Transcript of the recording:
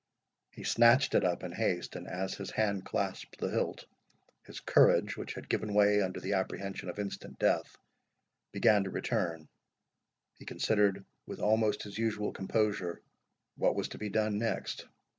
He snatched it up in haste, and as his hand clasped the hilt, his courage, which had given way under the apprehension of instant death, began to return; he considered, with almost his usual composure, what was to be done next.